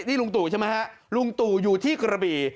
นี่ลุงตู่ใช่ไหมฮะลุงตู่อยู่ที่กระบี่